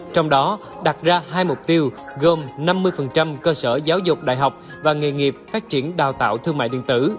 trong đó đặt ra hai mục tiêu gồm năm mươi cơ sở giáo dục đại học và nghề nghiệp phát triển đào tạo thương mại điện tử